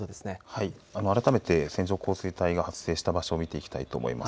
はい、改めて線状降水帯が発生した場所を見ていきたいと思います。